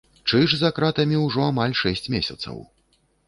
Чыж за кратамі ўжо амаль шэсць месяцаў.